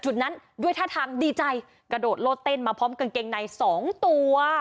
นั้นด้วยท่าทางดีใจกระโดดโลดเต้นมาพร้อมกางเกงในสองตัว